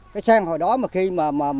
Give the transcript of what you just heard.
cái sen hồi đó mà khi mà